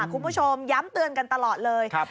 คุณผู้ชมย้ำเตือนกันตลอดเลย